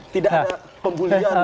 tidak ada pembulian loh